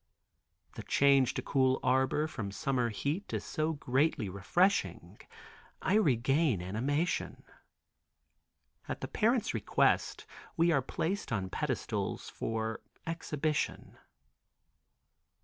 The change to cool arbor from summer heat is so greatly refreshing I regain animation. At the parents' request, we are placed on pedestals for exhibition.